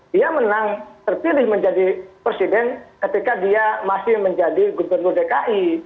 dia menang terpilih menjadi presiden ketika dia masih menjadi gubernur dki